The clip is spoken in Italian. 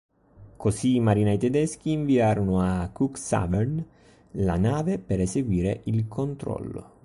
Così i marinai tedeschi inviarono a Cuxhaven la nave per eseguire il controllo.